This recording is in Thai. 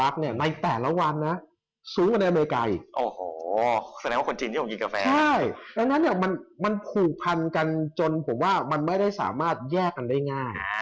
ดังนั้นมันผูกพันกันจนผมว่ามันไม่ได้สามารถแยกกันได้ง่าย